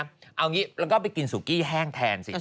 เอางี้แล้วก็ไปกินสุกี้แห้งแทนสิ